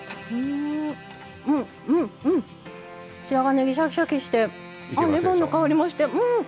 白髪ねぎシャキシャキしてあっレモンの香りもしてうん！